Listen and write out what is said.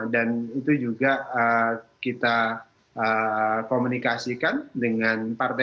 dan itu juga kita komunikasikan dengan partai